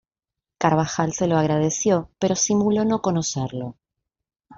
Carvajal se lo agradeció, pero simuló no conocerlo.